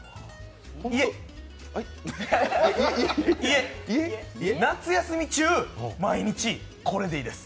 いえ、いえ、夏休み中、毎日これでいいです。